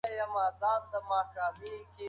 هغه د اصفهان په ارګ کې د بریا بیرغ پورته کړ.